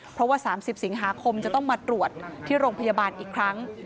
เพราะว่า๓๐สิงหาคมจะต้องมาตรวจที่โรงพยาบาลอีกครั้ง